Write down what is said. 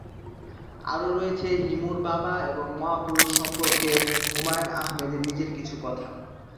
আরও রয়েছে হিমুর বাবা এবং মহাপুরুষ সম্পর্কে হুমায়ূন আহমেদের নিজের কিছু কথা।